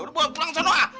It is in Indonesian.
udah bawa pulang sana ah